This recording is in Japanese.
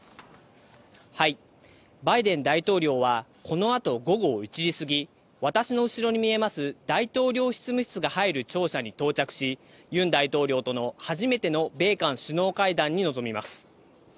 バイデン大統領は、このあと午後１時過ぎ、私の後ろに見えます、大統領執務室に入る庁舎に到着し、ユン大統領との初めての米韓首脳会談に臨みます。